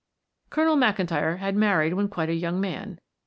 Colonel McIntyre had married when quite a young man.